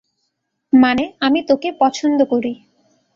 মানে, আমি তোকে পছন্দ করি।